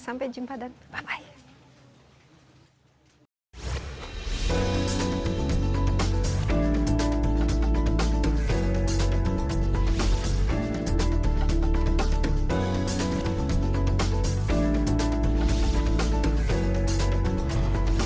sampai jumpa dan bye bye